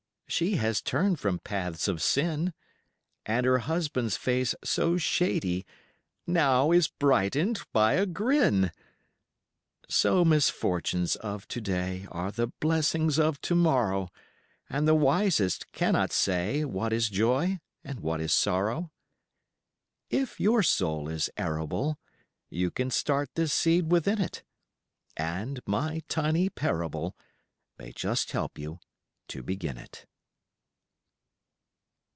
She has turned from paths of sin, And her husband's face so shady Now is brightened by a grin. So misfortunes of to day Are the blessings of to morrow, And the wisest cannot say What is joy and what is sorrow. If your soul is arable You can start this seed within it, And my tiny parable May just help you to begin it.